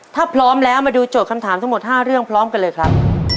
ถ้าพร้อมแล้วมาดูโจทย์คำถามทั้งหมด๕เรื่องพร้อมกันเลยครับ